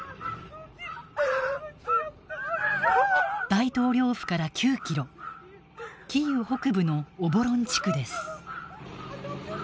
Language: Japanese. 大統領府から９キロキーウ北部のオボロン地区です。